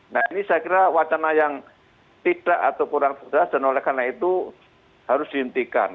nah ini saya kira wacana yang tidak atau kurang sukses dan oleh karena itu harus dihentikan